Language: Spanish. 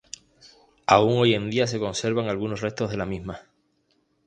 Aún hoy en día se conservan algunos restos de la misma.